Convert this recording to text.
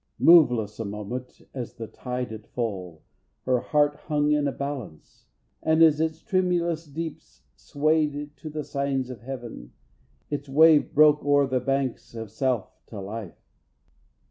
Moveless a moment, as the tide at full, Her heart hung in a balance, and as its Tremulous deeps swayed to the signs of heaven, Its wave broke o'er the banks of self to life.